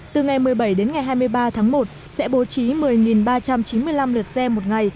từ ngày một mươi bảy đến ngày hai mươi ba tháng một sẽ bố trí một mươi ba trăm chín mươi năm lượt xe một ngày